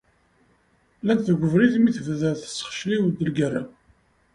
Llant deg ubrid mi d-tebda tesxicliw-d legerra.